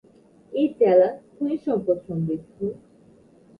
এই জেলা খনিজ সম্পদ সমৃদ্ধ।